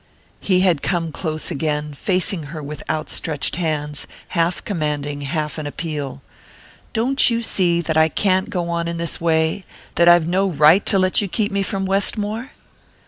He had come close again, facing her with outstretched hands, half commanding, half in appeal. "Don't you see that I can't go on in this way that I've no right to let you keep me from Westmore?"